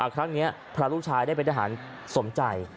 ครั้งนี้พระลูกชายได้เป็นทหารสมใจ